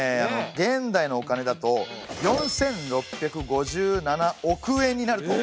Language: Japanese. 現代のお金だと４６５７億円になるとの試算もございます。